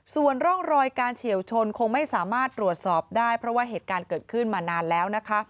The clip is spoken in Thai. ส่วนร่องรอยการเฉียวชนคงไม่สามารถตรวจสอบได้เพราะว่าเหตุการณ์เกิดขึ้นมานานแล้วนะคะ